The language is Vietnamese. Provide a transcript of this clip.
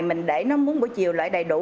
mình để nó muốn buổi chiều lại đầy đủ